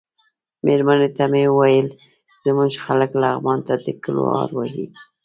مېرمنې ته مې ویل زموږ خلک لغمان ته د ګلو هار وايي.